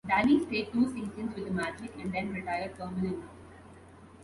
Daly stayed two seasons with the Magic and then retired permanently.